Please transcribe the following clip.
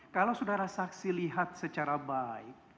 kalau saudara saksi lihat secara baik